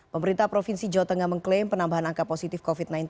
pemerintah provinsi jawa tengah mengklaim penambahan angka positif covid sembilan belas